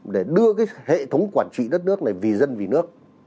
để đưa cái hệ thống quản trị đất nước này vì dân vì nước